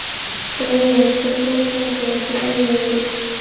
曾演出多部国际电影懋业电影公司的电影。